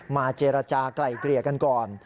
เจรจากลายเกลี่ยกันก่อน